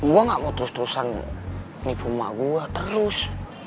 gua gak mau terus terusan nipu emak gua terus